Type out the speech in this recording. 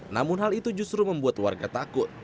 namun hal itu justru membuat warga takut